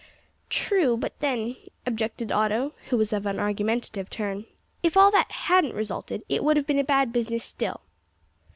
"True, but then," objected Otto, who was of an argumentative turn, "if all that hadn't resulted, it would have been a bad business still."